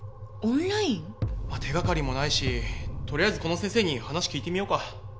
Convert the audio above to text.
手がかりもないしとりあえずこの先生に話聞いてみようか。